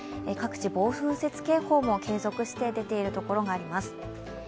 各地、暴風雪警報も継続して出ているところがあります。